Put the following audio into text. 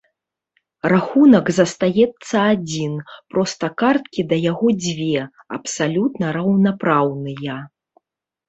Рахунак застаецца адзін, проста карткі да яго дзве, абсалютна раўнапраўныя.